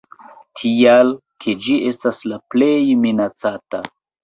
Tial, ke ĝi estas la plej minacata.